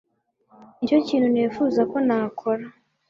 Nicyo kintu nifuza ko nakora.